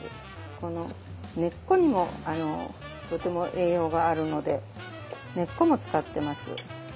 この根っこにもとても栄養があるので根っこも使ってます。